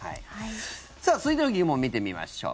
さあ、続いての疑問見てみましょう。